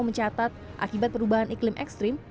mencatat akibat perubahan iklim ekstrim